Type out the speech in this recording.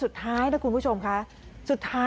พูดสิทธิ์ข่าวบอกว่าพระต่อว่าชาวบ้านที่มายืนล้อมอยู่แบบนี้ค่ะ